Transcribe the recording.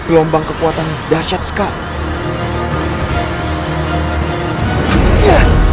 gelombang kekuatan dasyat sekali